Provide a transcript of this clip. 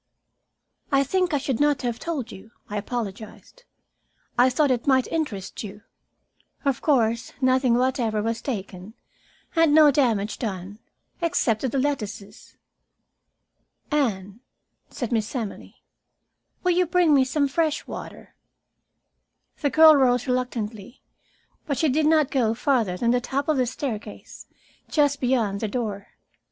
"I think I should not have told you," I apologized. "I thought it might interest you. Of course nothing whatever was taken, and no damage done except to the lettuces." "Anne," said Miss Emily, "will you bring me some fresh water?" The girl rose reluctantly, but she did not go farther than the top of the staircase, just beyond the door.